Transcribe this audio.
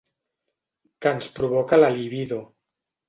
Que ens provoca la libido.